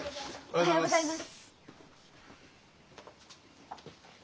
おはようございます。